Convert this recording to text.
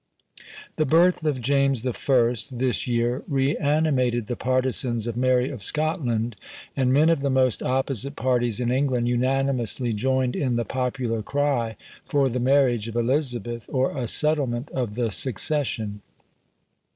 The birth of James I. this year, re animated the partisans of Mary of Scotland; and men of the most opposite parties in England unanimously joined in the popular cry for the marriage of Elizabeth, or a settlement of the succession.